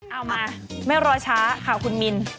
เอามาไม่รอช้าข่าวคุณมิน